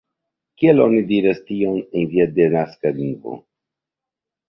Kiel oni diras tion en via denaska lingvo?